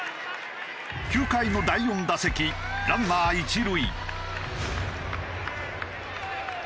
９回の第４打席ランナー一塁。